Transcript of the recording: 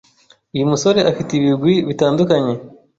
Uyu musore afite ibigwi bitandukanye